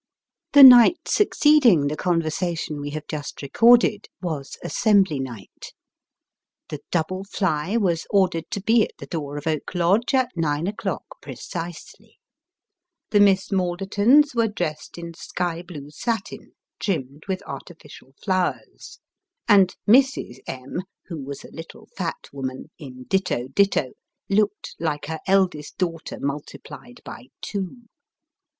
The night succeeding the conversation we have just recorded, was " assembly night." The double fly was ordered to be at the door of Oak Lodge at nine o'clock precisely. The Miss Maldertons were dressed in sky blue satin trimmed with artificial flowers ; and Mrs. M. (who was a little fat woman), in ditto ditto, looked like her eldest daughter multiplied by two.